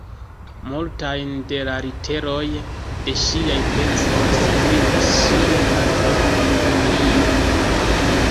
Multajn de la literoj de ŝiaj pecoj skribis ŝia patro Giulio.